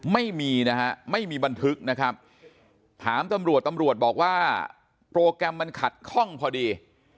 ไม่มีนะฮะไม่มีบันทึกนะครับถามตำรวจตำรวจบอกว่าโปรแกรมมันขัดข้องพอดี